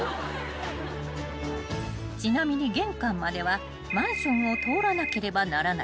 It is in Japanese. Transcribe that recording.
［ちなみに玄関まではマンションを通らなければならない］